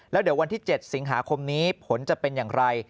แล้วเดี๋ยววันที่๗สิงหาคมนี้ผลจะเป็นอย่างไร